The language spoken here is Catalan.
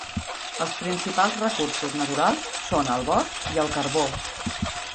Els principals recursos naturals són el bosc i el carbó.